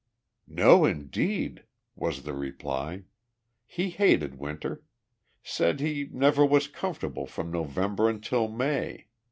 "No, indeed," was the reply. "He hated winter. Said he never was comfortable from November until May.